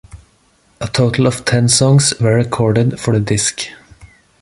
A total of ten songs were recorded for the disc.